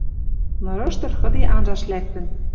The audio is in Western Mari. Нырыш тырхыде анжаш лӓктӹн.